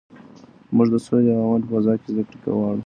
موږ د سولې او امن په فضا کې زده کړه غواړو.